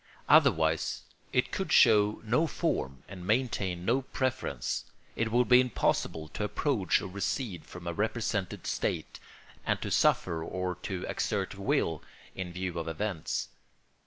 Otherwise it could show no form and maintain no preference; it would be impossible to approach or recede from a represented state, and to suffer or to exert will in view of events.